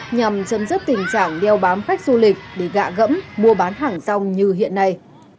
nhằm chấm dứt tình trạng đeo bám khách du lịch để gạ gẫm mua bán hàng rong như hiện nay